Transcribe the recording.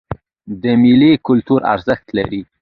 دا میلې کلتوري ارزښت لري.